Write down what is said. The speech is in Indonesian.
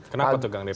kenapa tegang dpk